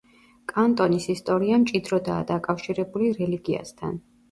კანტონის ისტორია მჭიდროდაა დაკავშირებული რელიგიასთან.